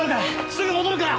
すぐ戻るから！